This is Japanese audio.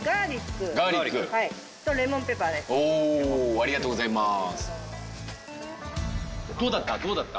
ありがとうございます。